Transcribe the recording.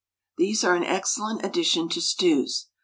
These are an excellent addition to stews.